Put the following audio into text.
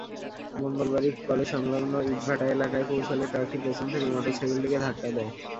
মঙ্গলবাড়ি কলেজসংলগ্ন ইটভাটা এলাকায় পৌঁছালে ট্রাকটি পেছন থেকে মোটরসাইকেলটিকে ধাক্কা দেয়।